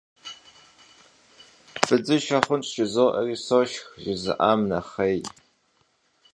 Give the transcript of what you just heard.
Bıdzışşe xhunş, jjızo'eri soşşx, jjızı'am nexhêy.